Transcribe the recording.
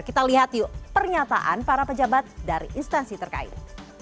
kita lihat yuk pernyataan para pejabat dari instansi terkait